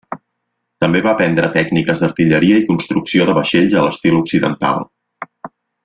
També va aprendre tècniques d'artilleria i construcció de vaixells a l'estil occidental.